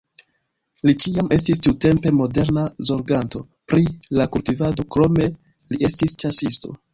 Li ĉiam estis tiutempe moderna zorganto pri la kultivado, krome li estis ĉasisto.